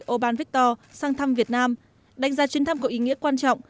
orbán victor sang thăm việt nam đánh giá chuyến thăm có ý nghĩa quan trọng